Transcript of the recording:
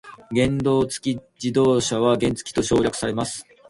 原動機付き自転車は原付と省略されます。